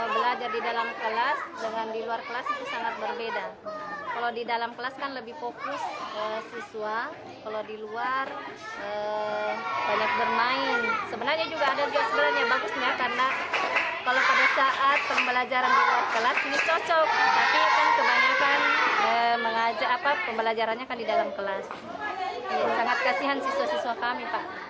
kelas ini cocok tapi kebanyakan pembelajarannya di dalam kelas sangat kasihan siswa siswa kami